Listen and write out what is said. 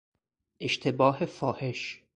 اشتباه فاحش